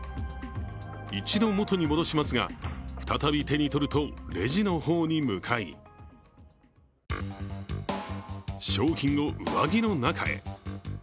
一度、元に戻しますが再び手に取るとレジの方に向かい商品を上着の中へ。